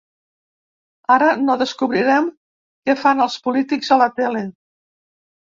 Ara no descobrirem què fan els polítics a la tele.